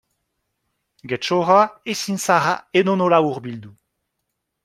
Getxora ezin zara edonola hurbildu.